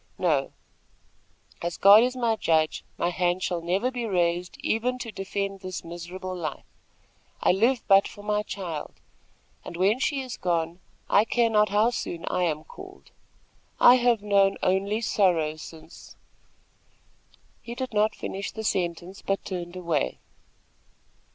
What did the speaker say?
"No, as God is my judge, my hand shall never be raised even to defend this miserable life. I live but for my child, and when she is gone, I care not how soon I am called. I have known only sorrow since " He did not finish the sentence, but turned away.